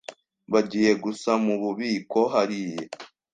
Bagiye gusa mububiko hariya.